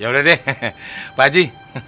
yaudah deh pak haji